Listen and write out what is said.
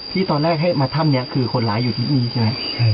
ที่ตอนแรกให้มาถ้ำนี้คือคนร้ายอยู่ที่นี่ใช่ไหม